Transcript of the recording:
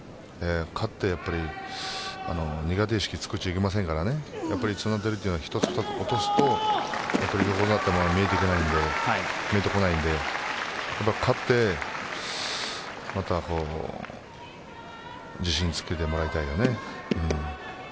勝って、やっぱり苦手意識を作っちゃいけませんから綱取りというのは１つ落とすと横綱は見えてこないので勝って、また自信をつけてもらいたいよね。